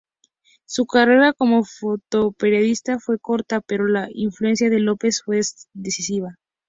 Su carrera como fotoperiodista fue corta, pero la influencia de López fue decisiva.